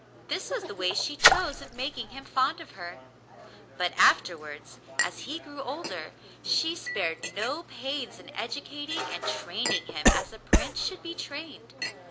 This was the way she chose of making him fond of her; but afterwards, as he grew older, she spared no pains in educating and training him as a prince should be trained.